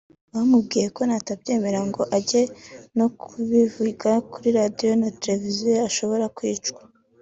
bamubwiye ko natabyemera ngo ajye no kubivugira kuri Radiyo na Televiziyo ashobora kwicwa